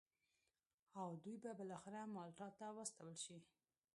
او دوی به بالاخره مالټا ته واستول شي.